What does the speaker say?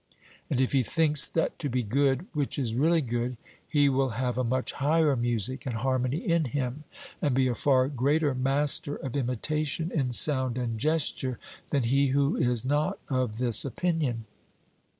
And if he thinks that to be good which is really good, he will have a much higher music and harmony in him, and be a far greater master of imitation in sound and gesture than he who is not of this opinion.